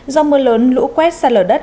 do mưa lớn lũ quét sạt lở đất